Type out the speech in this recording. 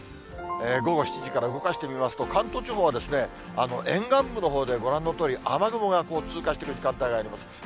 午後７時から動かしてみますと、関東地方は沿岸部のほうでご覧のとおり、雨雲が通過してくる時間帯があります。